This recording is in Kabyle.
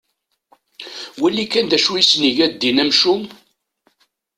Wali kan d acu isen-yegga ddin amcum.